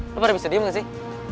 lo pada bisa diem gak sih